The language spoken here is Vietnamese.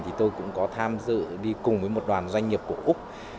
thì tôi cũng có tham dự đi cùng với một đoàn doanh nghiệp của úc